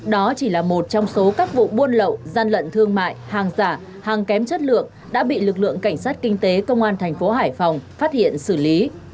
đó chỉ là một trong số các vụ buôn lậu gian lận thương mại hàng giả hàng kém chất lượng đã bị lực lượng cảnh sát kinh tế công an thành phố hải phòng phát hiện xử lý